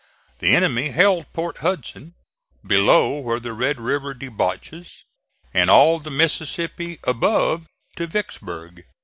The enemy held Port Hudson, below where the Red River debouches, and all the Mississippi above to Vicksburg.